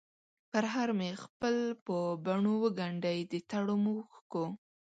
پرهر مې خپل په بڼووګنډی ، دتړمو اوښکو،